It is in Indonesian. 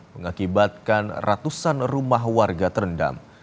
mengakibatkan ratusan rumah warga terendam